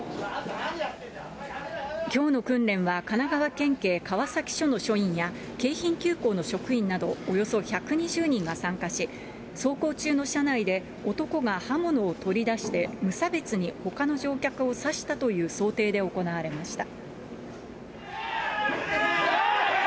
きょうの訓練は、神奈川県警川崎署の署員や、京浜急行の職員など、およそ１２０人が参加し、走行中の車内で男が刃物を取り出して、無差別にほかの乗客を刺したという想定で行われました。